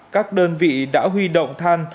các đơn vị đã huy động than